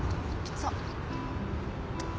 そう。